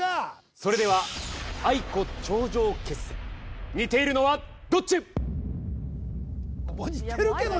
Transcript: それではａｉｋｏ頂上決戦似ているのはどっちもう似てるけどね